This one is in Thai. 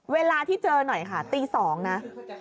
เวลาที่เจอหน่อยค่ะตี๒นะ